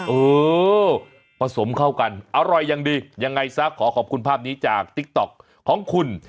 เออผสมเข้ากันอร่อยอย่างดียังไงซะขอขอบคุณภาพนี้จากติ๊กต๊อกของคุณ